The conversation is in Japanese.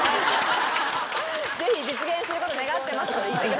ぜひ実現すること願ってます。